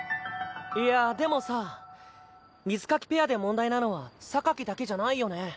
いやでもさみずかきペアで問題なのはだけじゃないよね。